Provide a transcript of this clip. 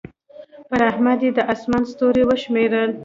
پر احمد يې د اسمان ستوري وشمېرل.